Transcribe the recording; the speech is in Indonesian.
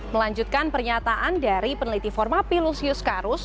melanjutkan pernyataan dari dpr